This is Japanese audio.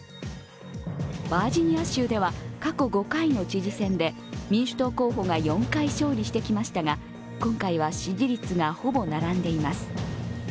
バージニア州では、過去５回の知事選で民主党候補が４回勝利してきましたが、今回は支持率がほぼ並んでいます。